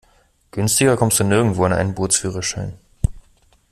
Günstiger kommst du nirgendwo an einen Bootsführerschein.